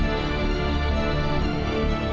พี่ธรรม